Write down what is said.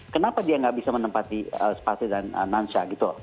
kenapa dia nggak bisa menempati sepatu dan nansha gitu